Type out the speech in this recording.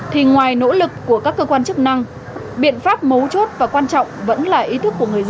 thì ngoài nỗ lực của các cơ quan chức năng biện pháp mấu chốt và quan trọng vẫn là ý thức của người dân